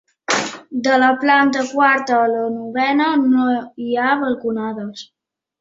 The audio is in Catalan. De la planta quarta a la novena no hi ha balconades.